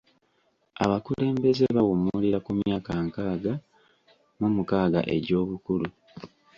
Abakulembeze bawummulira ku myaka nkaaga mu mukaaga egy'obukulu.